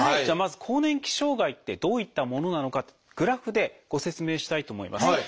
じゃあまず更年期障害ってどういったものなのかってグラフでご説明したいと思います。